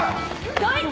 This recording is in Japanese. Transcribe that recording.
どいて！